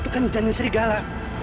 itu kan janin serigala